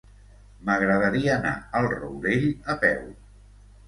M'agradaria anar al Rourell a peu.